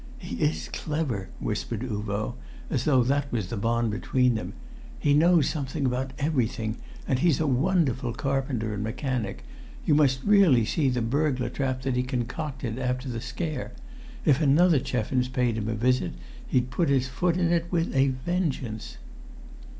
"He is clever," whispered Uvo, as though that was the bond between them. "He knows something about everything, and he's a wonderful carpenter and mechanic. You must really see the burglar trap that he concocted after the scare. If another Cheffins paid him a visit, he'd put his foot in it with a vengeance."